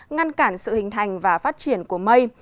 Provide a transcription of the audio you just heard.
ngăn cản sự hình thành và phát triển của mây